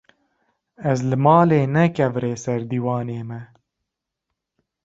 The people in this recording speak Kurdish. ez li malê ne kevirê ser dîwanê me